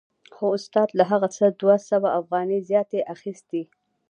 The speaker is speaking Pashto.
خو استاد له هغه څخه دوه سوه افغانۍ زیاتې اخیستې